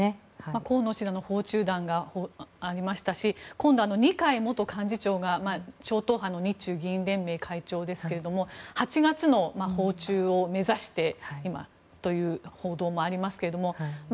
河野氏らの訪中団がありましたし今度は二階元幹事長が超党派の日中議員連盟の会長ですが８月の訪中を目指しているという報道もあります。